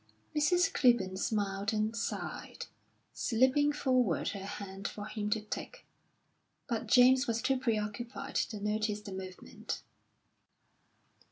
Mrs. Clibborn smiled and sighed, slipping forward her hand for him to take; but James was too preoccupied to notice the movement.